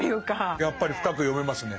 やっぱり深く読めますね。